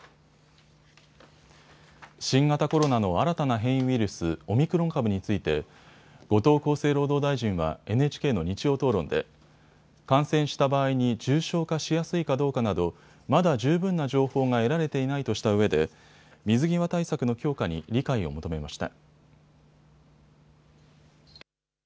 新型コロナの新たな変異ウイルス、オミクロン株について後藤厚生労働大臣はＮＨＫの日曜討論で感染した場合に重症化しやすいかどうかなどまだ十分な情報が得られていないとしたうえで水際対策の強化に理解を求めました。